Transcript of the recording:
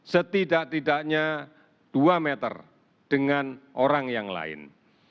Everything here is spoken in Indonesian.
setidak tidaknya dua meter dengan orang yang lain